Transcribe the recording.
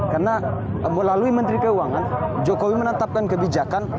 karena melalui menteri keuangan jokowi menantapkan kebijakan